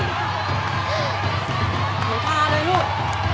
หนูพาด้วยนู้น